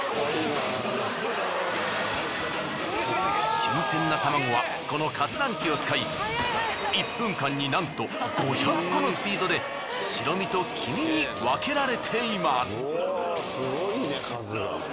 新鮮な卵はこの割卵機を使い１分間になんと５００個のスピードで白身と黄身に分けられています。